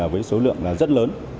với số lượng rất lớn